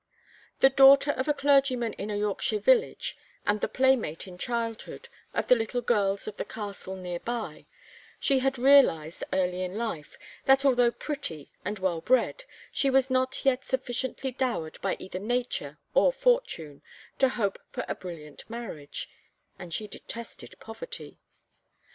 The daughter of a clergyman in a Yorkshire village, and the playmate in childhood of the little girls of the castle near by, she had realized early in life that although pretty and well bred, she was not yet sufficiently dowered by either nature or fortune to hope for a brilliant marriage; and she detested poverty.